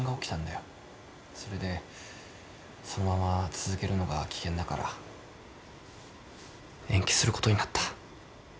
それでそのまま続けるのが危険だから延期することになった。